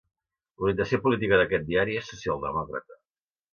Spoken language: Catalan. L'orientació política d'aquest diari és socialdemòcrata.